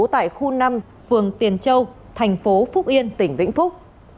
tại khu năm phường tiền châu tp phúc yên tỉnh vĩnh phúc